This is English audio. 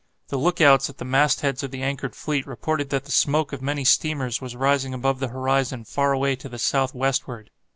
The look outs at the mastheads of the anchored fleet reported that the smoke of many steamers was rising above the horizon far away to the south westward.